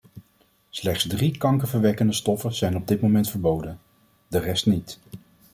Slechts drie kankerverwekkende stoffen zijn op dit moment verboden; de rest niet.